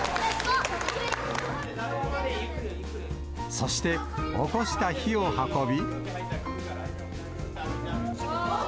そしておこした火を運び。